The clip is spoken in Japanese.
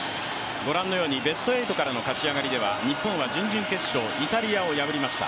ご覧のようにベスト８からの勝ち上がりでは日本は準々決勝、イタリアを破りました。